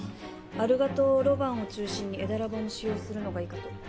アルガトロバンを中心にエダラボンも使用するのがいいかと。